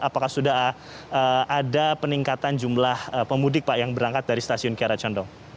apakah sudah ada peningkatan jumlah pemudik pak yang berangkat dari stasiun kiara condong